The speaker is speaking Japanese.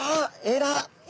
えら。